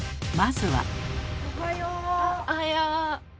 まずは。